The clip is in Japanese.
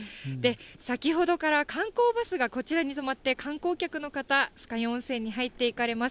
先ほどから観光バスがこちらに止まって、観光客の方、酸ヶ湯温泉に入っていかれます。